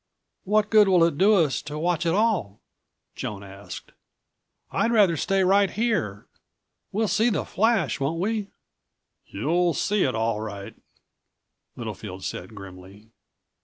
"What good will it do us to watch at all?" Joan asked. "I'd rather stay right here. We'll see the flash, won't we?" "You'll see it, all right," Littlefield said, grimly.